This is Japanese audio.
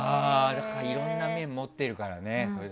いろんな面を持ってるからね。